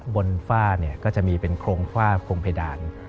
ฝ้าก็จะมีเป็นโครงฝ้าโครงเพดาน